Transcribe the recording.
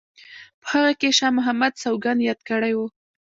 په هغه کې شاه محمد سوګند یاد کړی وو.